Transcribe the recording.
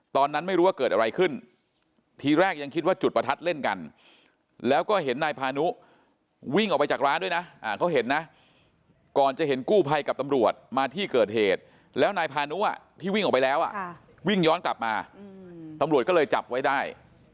ตอนนั้นไม่รู้ว่าเกิดอะไรขึ้นทีแรกยังคิดว่าจุดประทัดเล่นกันแล้วก็เห็นนายพานุวิ่งออกไปจากร้านด้วยนะเขาเห็นนะก่อนจะเห็นกู้ภัยกับตำรวจมาที่เกิดเหตุแล้วนายพานุที่วิ่งออกไปแล้ววิ่งย้อนกลับมาตำรวจก็เลยจับไว้ได้